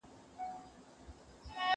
زه اوس د سبا لپاره د ژبي تمرين کوم!!